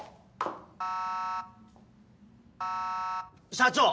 社長！